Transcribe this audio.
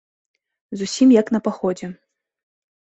Зусім, як на паходзе.